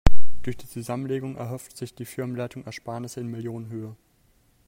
Durch die Zusammenlegung erhofft sich die Firmenleitung Ersparnisse in Millionenhöhe.